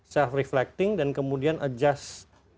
self reflecting dan kemudian adjust